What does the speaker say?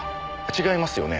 違いますよね？